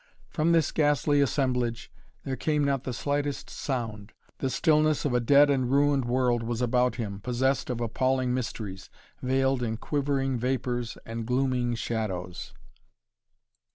From this ghastly assemblage there came not the slightest sound. The stillness of a dead and ruined world was about him, possessed of appalling mysteries, veiled in quivering vapors and glooming shadows.